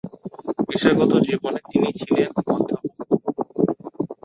পেশাগত জীবনে তিনি ছিলেন অধ্যাপক।